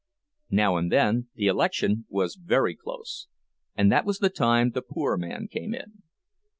Now and then, the election was very close, and that was the time the poor man came in.